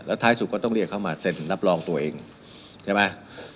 ท้ายสุดก็ต้องเรียกเขามาเซ็นรับรองตัวเองใช่ไหม